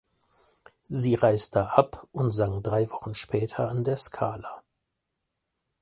Sie reiste ab und sang drei Wochen später an der Scala.